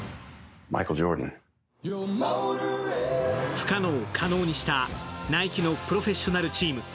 不可能を可能にしたナイキのプロフェッショナルチーム。